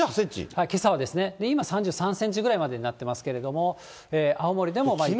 けさはですね、今３３センチぐらいまでになってますけど、青森でも雪が。